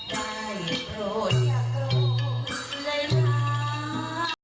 ขอบคุณทุกคนพกว่าอย่างไรนะ